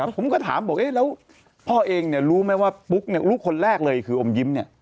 ผมก็ถามแล้วพ่อเองรู้ไหมว่าปุ๊กลูกคนแรกเลยคืออมยิม